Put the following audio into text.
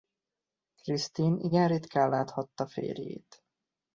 Christiane igen ritkán láthatta férjét.